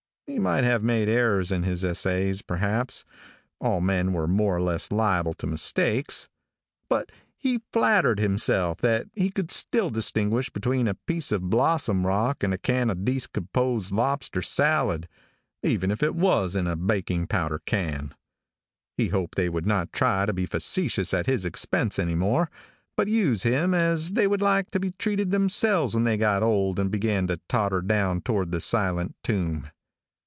He might have made errors in his assays, perhaps all men were more or less liable to mistakes but he flattered himself that he could still distinguish between a piece of blossom rock and a can of decomposed lobster salad, even if it was in a baking powder can. He hoped they would not try to be facetious at his expense any more, but use him as they would like to be treated themselves when they got old and began to totter down toward the silent tomb.